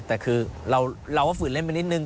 แต่คือเราก็ฝืนเล่นไปนิดนึง